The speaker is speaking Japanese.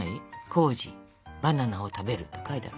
「康史バナナを食べる」とか書いてある。